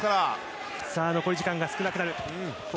残り時間が少なくなる。